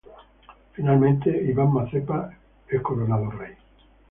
Finalmente, Ivan Mazepa es coronado rey.